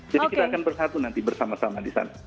jadi kita akan bersatu nanti bersama sama di sana